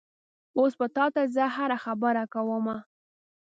اوس به تا ته زه هره خبره کومه؟